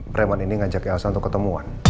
preman ini ngajak ya elsa untuk ketemuan